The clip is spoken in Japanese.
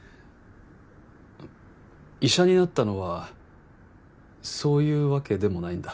医者になったのはそういう訳でもないんだ。